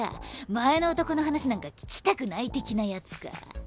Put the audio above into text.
前の男の話なんか聞きたくない的なやつか。